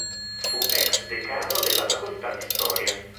Fu ex decano della facoltà di storia.